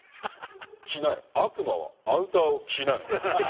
悪魔はアウターを着ない。